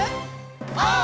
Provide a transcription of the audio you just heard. オー！